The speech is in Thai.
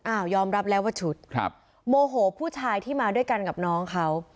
ยอมรับแล้วว่าชุดครับโมโหผู้ชายที่มาด้วยกันกับน้องเขา